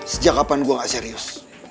sejak kapan gue gak serius